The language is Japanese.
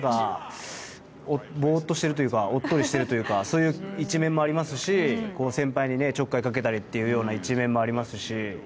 ボーっとしているというかおっとりしているというかそういう一面もありますし先輩にちょっかいをかけたりという一面もありますし。